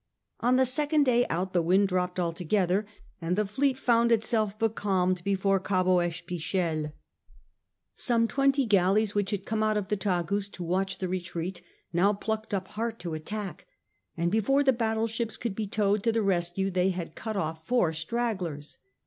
On the second day out the wind dropped altogether and the fleet found itself becalmed off Cape de EspicheL Some twenty galleys which had come out of the Tagus to watch the retreat now plucked up heart to attack, and before the battle ships could be towed to the rescue they had cut off four stragglers.